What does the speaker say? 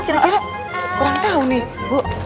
kira kira kurang tahu nih bu